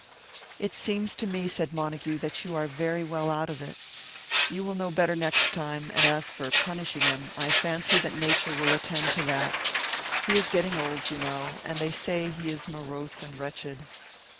"It seems to me," said Montague, "that you are very well out of it. You will know better next time; and as for punishing him, I fancy that Nature will attend to that. He is getting old, you know; and they say he is morose and wretched."